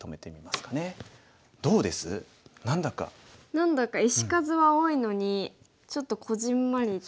何だか石数は多いのにちょっとこぢんまりと。